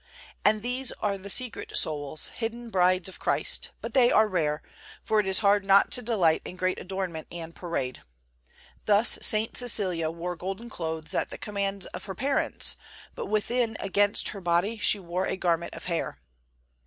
And these are the secret souls, hidden brides of Christ, but they are rare; for it is hard not to delight in great adornment and parade. Thus St. Cecilia wore golden clothes at the command of her parents, but within against her body she wore a garment of hair.